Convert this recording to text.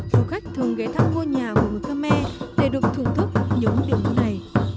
du khách thường ghé thăm ngôi nhà của người khmer để được thưởng thức những điệu múa này